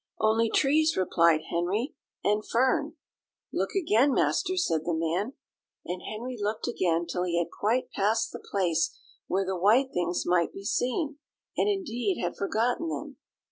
"Only trees," replied Henry, "and fern." "Look again, master," said the man. And Henry looked again till he had quite passed the place where the white things might be seen, and indeed had forgotten them.